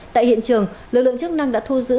tại hiện trường lực lượng chức năng đã thu giữ